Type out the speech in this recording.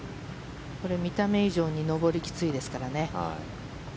これ、見た目以上に上りがきついですからね。